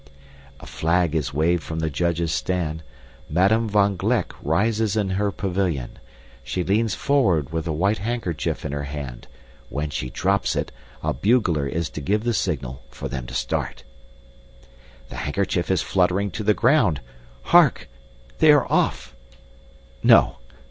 A flag is waved from the judges' stand. Madame van Gleck rises in her pavilion. She leans forward with a white handkerchief in her hand. When she drops it, a bugler is to give the signal for them to start. The handkerchief is fluttering to the ground! Hark! They are off! No.